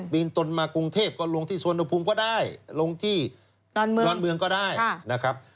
ตนมากรุงเทพก็ลงที่สวนภูมิก็ได้ลงที่ดอนเมืองก็ได้นะครับ